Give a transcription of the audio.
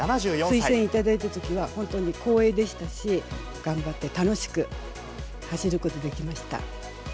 推薦を頂いたときは、本当に光栄でしたし、頑張って、楽しく走ることができました。